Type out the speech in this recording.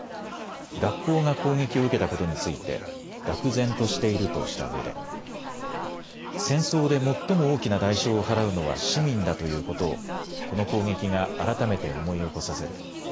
学校が攻撃を受けたことについてがく然としているとしたうえで戦争で最も大きな代償を払うのは市民だということをこの攻撃が改めて思い起こさせる。